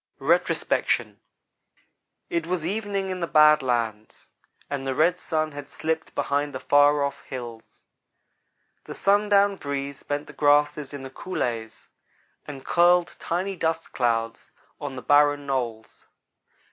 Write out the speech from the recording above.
RETROSPECTION IT was evening in the bad lands, and the red sun had slipped behind the far off hills. The sundown breeze bent the grasses in the coulées and curled tiny dust clouds on the barren knolls.